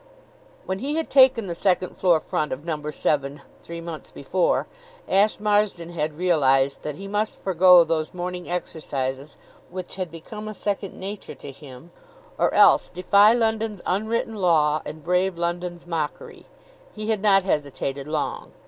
When he had taken the second floor front of Number Seven, three months before, Ashe Marson had realized that he must forego those morning exercises which had become a second nature to him, or else defy London's unwritten law and brave London's mockery. He had not hesitated long.